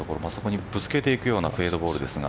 そこに、ぶつけていくようなフェードボールですが。